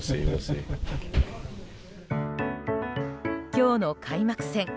今日の開幕戦